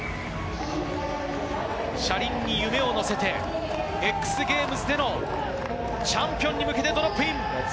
車輪に夢を乗せて、ＸＧａｍｅｓでのチャンピオに向けてドロップイン。